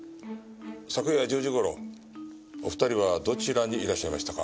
昨夜１０時頃お二人はどちらにいらっしゃいましたか？